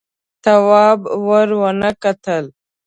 تواب ور ونه کتل.